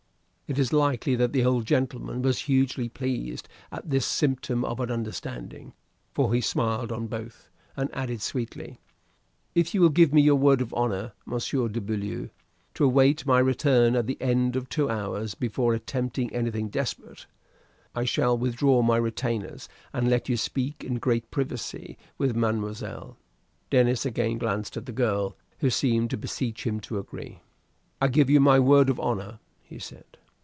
It is likely that the old gentleman was hugely pleased at this symptom of an understanding; for he smiled on both, and added sweetly: "If you will give me your word of honor, Monsieur de Beaulieu, to await my return at the end of the two hours before attempting anything desperate, I shall withdraw my retainers, and let you speak in greater privacy with mademoiselle." Denis again glanced at the girl, who seemed to beseech him to agree. "I give you my word of honor," he said.